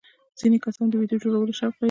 ځینې کسان د ویډیو جوړولو شوق لري.